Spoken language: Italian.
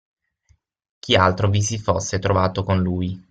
Chi altro vi si fosse trovato con lui.